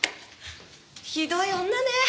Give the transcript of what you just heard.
ひどい女ね。